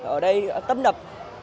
ở đây tâm nập